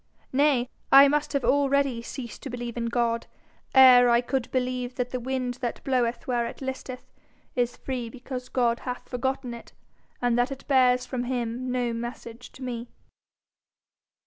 Nay, I must have already ceased to believe in God ere I could believe that the wind that bloweth where it listeth is free because God hath forgotten it, and that it bears from him no message to me.